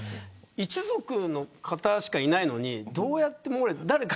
一族の方しかいないのにどうやって。